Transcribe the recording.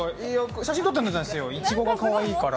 写真撮ってたんですよ、いちごがかわいいから。